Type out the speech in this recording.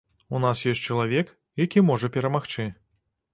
У нас ёсць чалавек, які можа перамагчы.